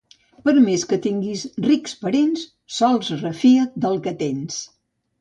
Per més que tinguis rics parents, sols refia't del que tens.